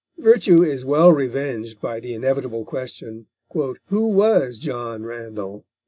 Virtue is well revenged by the inevitable question! "Who was John Randall?"